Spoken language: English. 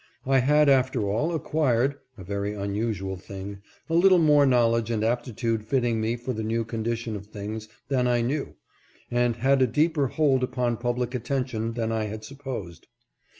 I had after all acquired (a very unusual thing) a little more knowledge and aptitude fitting me for the new condition of things than I knew, and had a deeper hold upon public attention than I had supposed.